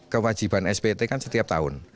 kewajiban spt kan setiap tahun